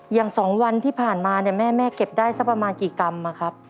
อย่าง๒วันที่ผ่านมาเนี่ยแม่เก็บได้สักประมาณกี่กรัมอะครับ